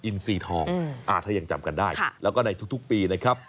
อินซีทองถ้ายังจำกันได้แล้วก็ในทุกปีนะครับ